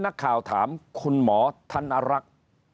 นักข่าวถามคุณหมอท่านอรัก